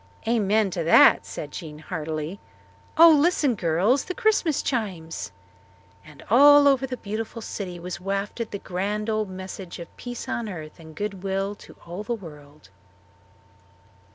"Amen to that!" said Jean heartily. "Oh, listen, girls the Christmas chimes!" And over all the beautiful city was wafted the grand old message of peace on earth and good will to all the world.